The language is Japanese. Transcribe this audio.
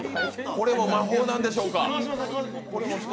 これも魔法なんでしょうか。